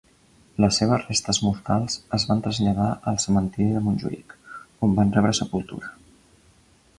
Les seves restes mortals es van traslladar al cementiri de Montjuïc, on van rebre sepultura.